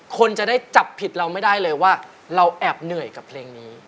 คนจะได้จับผิดเราไม่ได้เลยว่าเราแอบเหนื่อยกับเพลงนี้